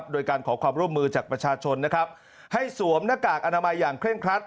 โดยการขอความร่วมมือจากประชาชนนะครับให้สวมหน้ากากอนามัยอย่างเคร่งครัด